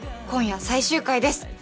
今夜最終回です。